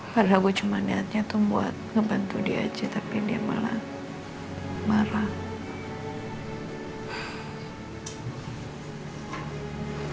karena gue cuma niatnya tuh buat ngebantu dia aja tapi dia malah marah